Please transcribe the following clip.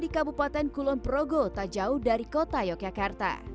di kabupaten kulon progo tak jauh dari kota yogyakarta